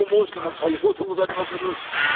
「さようでござりまする」。